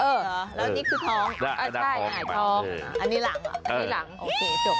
แล้วอันนี้คือท้องใช่อันนี้หลังเหรออันนี้หลัง